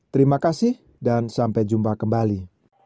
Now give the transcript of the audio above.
terima kasih dan sampai jumpa kembali